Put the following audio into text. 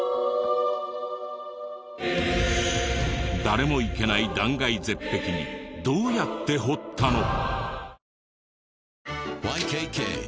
誰も行けない断崖絶壁にどうやって彫ったの？